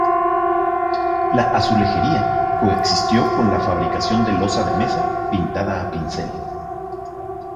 La azulejería coexistió con la fabricación de loza de mesa pintada a pincel.